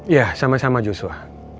ya sama sama joshua